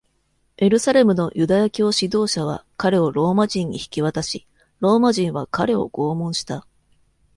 エルサレムのユダヤ教指導者は彼をローマ人に引き渡し、ローマ人は彼を拷問した。